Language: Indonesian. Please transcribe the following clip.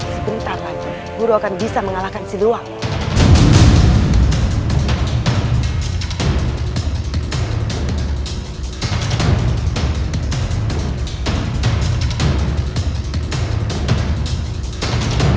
sebentar lagi guru akan bisa mengalahkan siliwangi